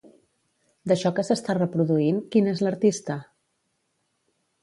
D'això que s'està reproduint, qui n'és l'artista?